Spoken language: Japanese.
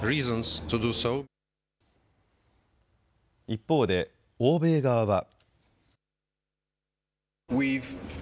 一方で欧米側は。